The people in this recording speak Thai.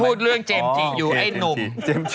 พูดเรื่องเจมส์จีอยู่ไอ้หนุ่ม